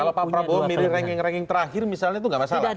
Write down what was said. kalau pak prabowo milih rangking rangking terakhir misalnya itu gak masalah